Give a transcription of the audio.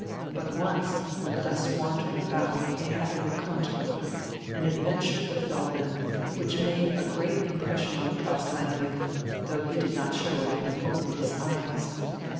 But once when thus wandering about they had a rencontre, an adventure befell them, which made a great impression on Klaus Heinrich, though he did not show it, and opened his eyes.